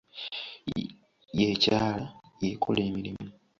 Y'ekyala, y'ekola emirimu.